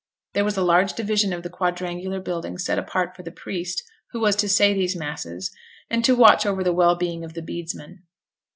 There was a large division of the quadrangular building set apart for the priest who was to say these masses; and to watch over the well being of the bedesmen.